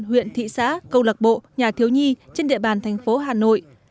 huyện thị xã câu lạc bộ nhà thiếu nhi trên địa bàn thành phố hà nội